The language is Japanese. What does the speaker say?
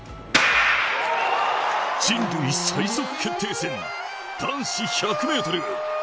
人類最速決定戦、男子１００ｍ。